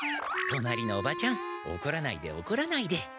隣のおばちゃんおこらないでおこらないで！